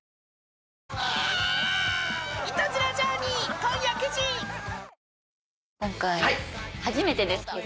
今回初めてですけど。